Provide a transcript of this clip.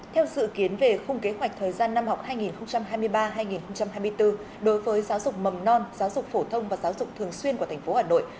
theo dự kiến về khung kế hoạch thời gian năm học hai nghìn hai mươi ba hai nghìn hai mươi bốn đối với giáo dục mầm non giáo dục phổ thông và giáo dục thường xuyên của tp hà nội